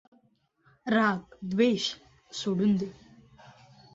राग द्वेष सोडून दे.